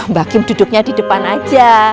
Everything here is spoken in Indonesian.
mbak kim duduknya di depan aja